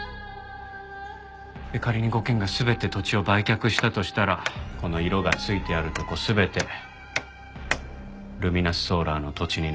仮に５軒が全て土地を売却したとしたらこの色がついているとこ全てルミナスソーラーの土地になる。